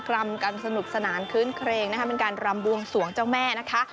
รำกันสนุกสนานคื้นเครงนะคะเป็นการรำบวงสวงเจ้าแม่นะคะ